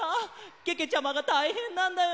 けけちゃまがたいへんなんだよ！